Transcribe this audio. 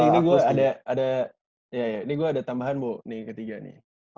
ini gue ada tambahan bu nih ketiga nih